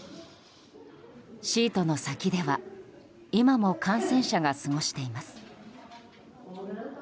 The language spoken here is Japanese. シートの先では今も感染者が過ごしています。